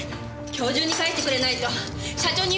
今日中に返してくれないと社長に言うからね。